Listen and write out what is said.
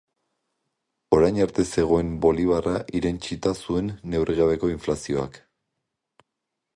Orain arte zegoen bolibarra irentsita zuen neurrigabeko inflazioak.